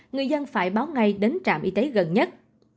người dân phải báo ngay đến trạm y tế gần nhất